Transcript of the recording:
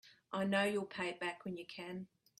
I know you'll pay it back when you can.